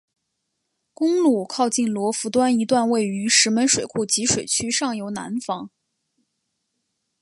公路靠近罗浮端一段位于石门水库集水区上游南方。